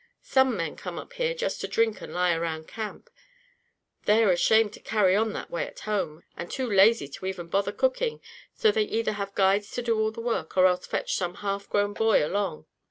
Some men come up here just to drink and lie around camp. They are ashamed to carry on that way at home, and too lazy to even bother cooking, so they either have guides to do all the work, or else fetch some half grown boy along.